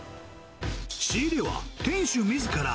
仕入れは、店主みずから